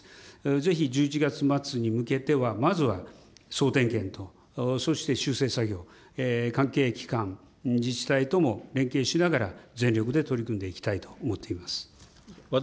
ぜひ、１１月末に向けては、まずは、総点検とそして修正作業、関係機関、自治体とも連携しながら、全力で取り組んでいきたいと思っています。